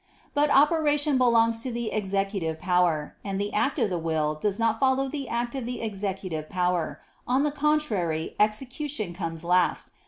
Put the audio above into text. But operation belongs to the executive power; and the act of the will does not follow the act of the executive power, on the contrary execution comes last.